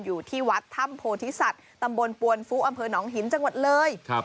อยู่ที่วัดถ้ำโพธิสัตว์ตำบลปวนฟุอำเภอหนองหินจังหวัดเลย